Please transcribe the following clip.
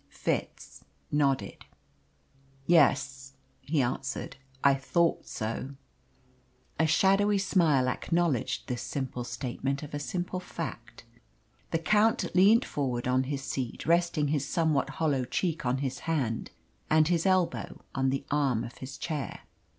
Fitz nodded. "Yes," he answered; "I thought so." A shadowy smile acknowledged this simple statement of a simple fact. The Count leant forward on his seat, resting his somewhat hollow cheek on his hand and his elbow on the arm of his chair.